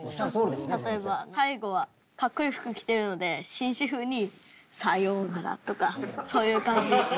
例えば最後はかっこいい服着てるので紳士風に「さようなら」とかそういう感じ。